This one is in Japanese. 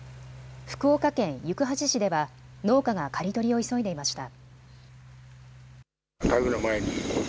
福岡県行橋市では農家が刈り取りを急いでいました。